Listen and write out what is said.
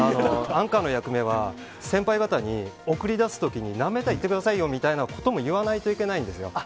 アンカーの役目は先輩方に送り出すときに何メートルいってくださいよみたいなことも言わないといけないんですよ。